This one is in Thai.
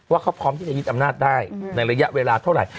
ว่าเขาพร้อมที่จะยึดอำนาจได้ในระยะเวลาเท่าไหร่